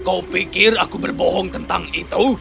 kau pikir aku berbohong tentang itu